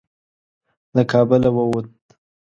له کابله ووت.